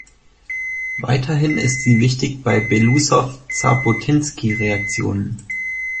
Weiterhin ist sie wichtig bei Belousov-Zhabotinsky-Reaktionen.